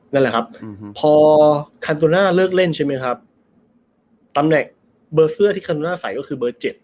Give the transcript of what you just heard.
นั่นแหละครับพอคันโตน่าเลิกเล่นใช่ไหมครับตำแหน่งเบอร์เสื้อที่คันน่าใส่ก็คือเบอร์เจ็ด